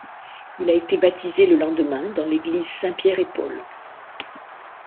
Il a été baptisé le lendemain dans l'église Saint-Pierre-et-Paul.